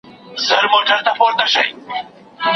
ډېر کسان د بې کارۍ له امله څيړني ته مخه کوي.